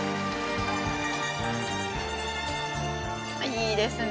いいですね！